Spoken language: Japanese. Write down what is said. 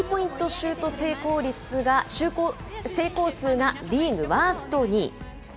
シュート成功数がリーグワースト２位。